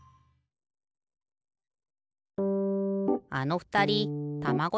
あのふたりたまご